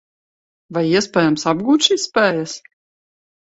Vai iespējams apgūt šīs spējas?